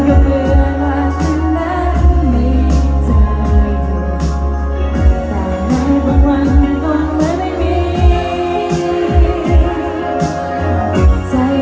อยากจะรู้ว่าฉันควรทำยังไงแต่คิดถึงเธอมากมาย